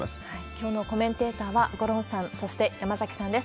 きょうのコメンテーターは五郎さん、そして山崎さんです。